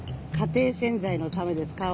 「家庭洗剤のためです。